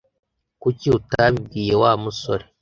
Kuki utabibwiye Wa musore